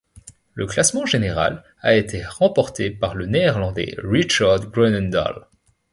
Le classement général a été remporté par le Néerlandais Richard Groenendaal.